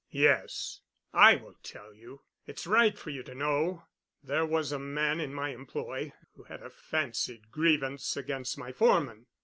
"Yes, I will tell you. It's right for you to know. There was a man in my employ who had a fancied grievance against my foreman.